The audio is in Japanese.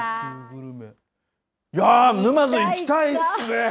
いやー、沼津行きたいっすね。